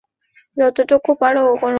তোমরা যতটুকু পার, কর।